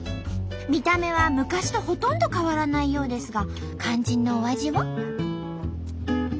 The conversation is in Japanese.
見た目は昔とほとんど変わらないようですが肝心のお味は？